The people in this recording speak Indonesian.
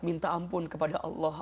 minta ampun kepada allah